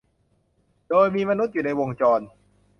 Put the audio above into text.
โดยมีมนุษย์อยู่ในวงจร